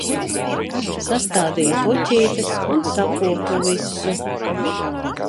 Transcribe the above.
Sastādīju puķītes un sakopu visu.